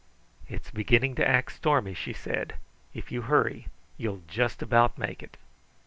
"It's beginning to act stormy," she said. "If you hurry you will just about make it.